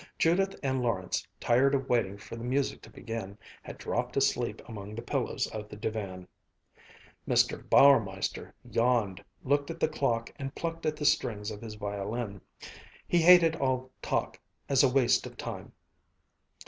Judith and Lawrence, tired of waiting for the music to begin, had dropped asleep among the pillows of the divan. Mr. Bauermeister yawned, looked at the clock, and plucked at the strings of his violin. He hated all talk as a waste of time.